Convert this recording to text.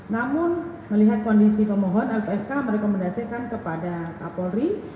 namun melihat kondisi pemohon lpsk merekomendasikan kepada pak polri